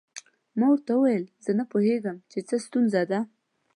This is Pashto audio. ما ورته وویل زه نه پوهیږم چې څه ستونزه ده.